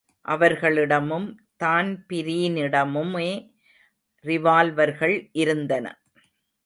அவர்களிடமும் தான்பிரீனிடமுமே ரிவால்வர்கள் இருந்தன.